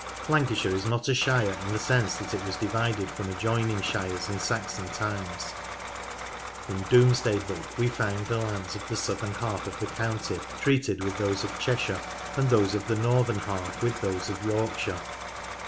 Lancashire is not a shire in the sense that it was divided from adjoining shires in Saxon times. In Domes day Book we find the lands of the southern half of the county treated with those of Cheshire, and those of the northern half with those of Yorkshire.